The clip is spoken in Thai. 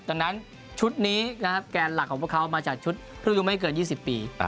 ดังนั้นชุดนี้นะครับแกนหลักของพวกเขามาจากชุดครึ่งอายุไม่เกิน๒๐ปี